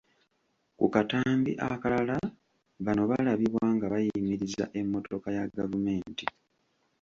Ku katambi akalala bano balabibwa nga bayimiriza emmotoka ya gavumenti.